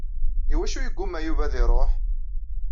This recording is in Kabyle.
I wacu yeggumma Yuba ad iṛuḥ?